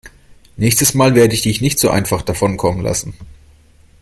Nächstes Mal werde ich dich nicht so einfach davonkommen lassen.